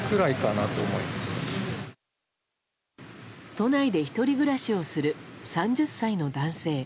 都内で１人暮らしをする３０歳の男性。